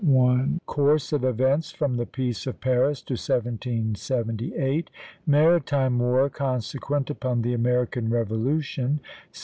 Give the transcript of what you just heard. COURSE OF EVENTS FROM THE PEACE OF PARIS TO 1778. MARITIME WAR CONSEQUENT UPON THE AMERICAN REVOLUTION.